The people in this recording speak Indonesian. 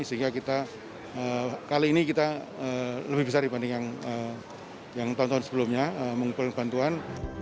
sehingga kita kali ini kita lebih besar dibanding yang tahun tahun sebelumnya mengumpulkan bantuan